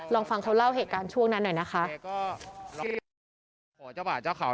ลองฟังเขาเล่าเหตุการณ์ช่วงนั้นหน่อยนะคะ